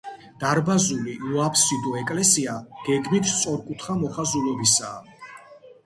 დარბაზული, უაბსიდო ეკლესია გეგმით სწორკუთხა მოხაზულობისაა.